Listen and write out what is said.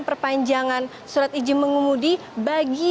perpanjangan surat izin mengemudi bagi